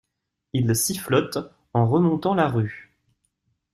Il sifflote en remontant la rue.